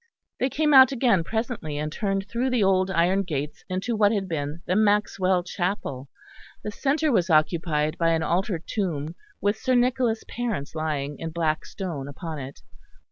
They came out again presently, and turned through the old iron gates into what had been the Maxwell chapel. The centre was occupied by an altar tomb with Sir Nicholas' parents lying in black stone upon it.